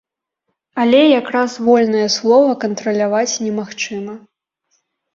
Але як раз вольнае слова кантраляваць немагчыма.